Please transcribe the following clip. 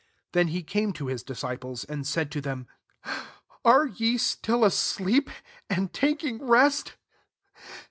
45 Then he came to his disciples, and said to them, " Are ye still asleep, and taking rest